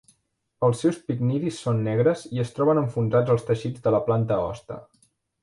Els seus picnidis són negres i es troben enfonsats als teixits de la planta hoste.